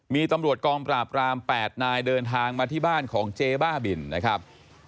มีตำรวจกองปราบราม๘นายเดินทางมาที่บ้านของเจ๊บ้าบินนะครับ